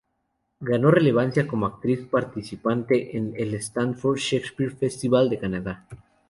Ganó relevancia como actriz participante en el Stratford Shakespeare Festival de Canadá.